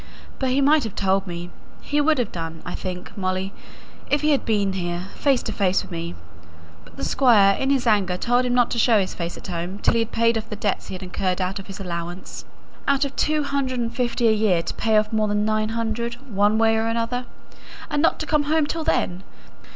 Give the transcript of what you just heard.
But he might have told me. He would have done, I think, Molly, if he had been here, face to face with me. But the Squire, in his anger, told him not to show his face at home till he had paid off the debts he had incurred out of his allowance. Out of two hundred and fifty a year to pay off more than nine hundred, one way or another! And not to come home till then!